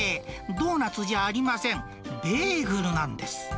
ドーナツじゃありません、ベーグルなんです。